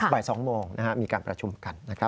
บ่าย๒โมงมีการประชุมกัน